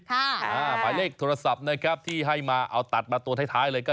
หมายเลขโทรศัพท์นะครับที่ให้มาเอาตัดมาตัวท้ายเลยก็